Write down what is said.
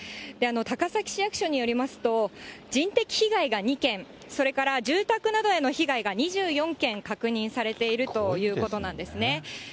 高崎市役所によりますと、人的被害が２件、それから住宅などへの被害が２４件確認されているということなんですね。